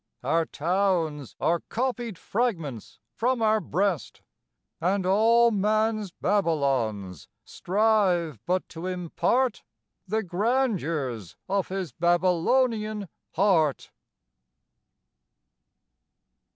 Our towns are copied fragments from our breast; And all man's Babylons strive but to impart The grandeurs of his Babylonian heart.